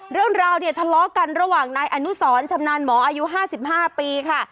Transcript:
เรื่องราวเนี่ยทะเลาะกันระหว่างนายอนุสรชำนาญหมออายุ๕๕ปีค่ะ